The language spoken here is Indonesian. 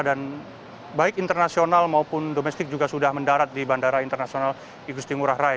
dan baik internasional maupun domestik juga sudah mendarat di bandara internasional igusti ngurah rai